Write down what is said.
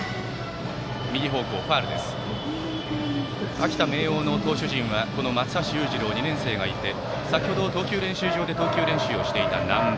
秋田・明桜の投手陣は松橋裕次郎、２年生がいて先程、投球練習場で投球練習をしていた難波。